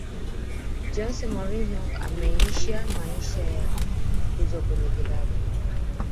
jose mourinho ameisha maisha ya kufukuzwa kwenye vilabu